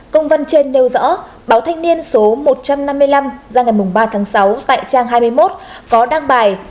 công văn trên nêu rõ báo thanh niên số một trăm năm mươi năm ra ngày ba tháng sáu tại trang hai mươi một có đăng bài